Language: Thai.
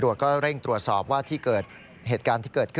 แล้วก็ลุกลามไปยังตัวผู้ตายจนถูกไฟคลอกนะครับ